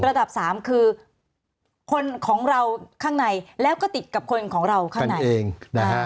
ระดับสามคือคนของเราข้างในแล้วก็ติดกับคนของเราข้างในเองนะฮะ